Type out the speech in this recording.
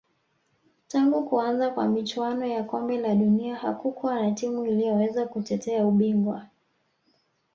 tangu kuanza kwa michuano ya kombe la dunia hakukuwa na timu iliyoweza kutetea ubingwa